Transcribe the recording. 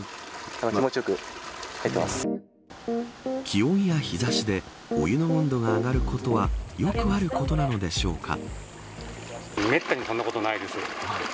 気温や日差しでお湯の温度が上がることはよくあることなのでしょうか。